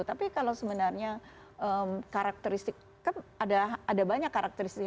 tapi kalau sebenarnya karakteristik kan ada banyak karakteristik